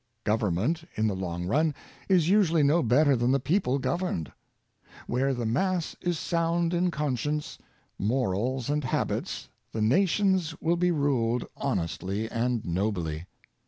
Government, in the long run, is usually no better than the people governed. Where the mass is sound in conscience, morals and habits, the nation will be ruled honestly and nobly.